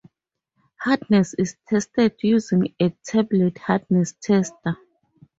Hardness is tested using a tablet hardness tester.